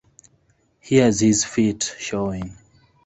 Here's his feet showing!